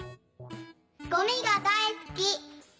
ゴミがだいすき。